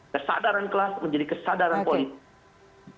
kesadaran kelas menjadi kesadaran politik